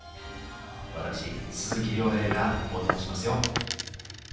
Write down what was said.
私鈴木亮平がオトモしますよ。